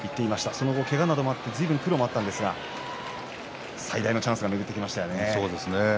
その後、けがなどもあってずいぶん苦労もありましたが最大のチャンスが巡ってきましたね。